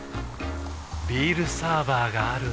ビールサーバーがある夏。